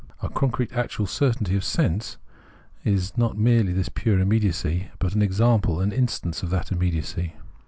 A concrete actual certainty of sense is not merely this pure immediacy, but an example, an instance, of that immediacy.